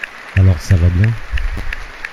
Alors, ça va bien !…